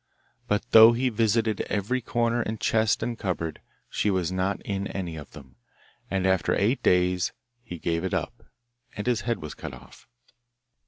But though he visited every corner and chest and cupboard, she was not in any of them, and after eight days he gave it up and his head was cut off.